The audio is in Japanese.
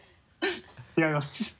違います。